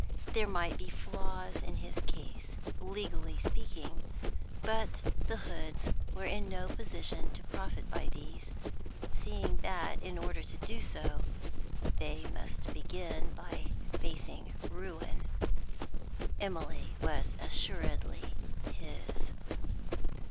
There might be flaws in his case, legally speaking, but the Hoods were in no position to profit by these, seeing that, in order to do so, they must begin by facing ruin. Emily was assuredly his.